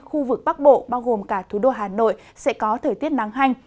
khu vực bắc bộ bao gồm cả thủ đô hà nội sẽ có thời tiết nắng hanh